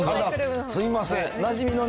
すみません。